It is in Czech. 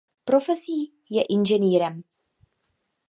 Profesí je inženýrem.